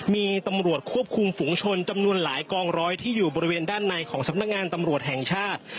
มีตำรวจควบคุมฝุงชนจำนวนหลายกองร้อยที่อยู่บริเวณด้านในของสำนักงานตำรวจแห่งชาติ